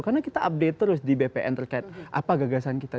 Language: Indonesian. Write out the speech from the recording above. karena kita update terus di bpn terkait apa gagasan kita